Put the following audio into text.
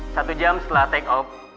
satu jam setelah take off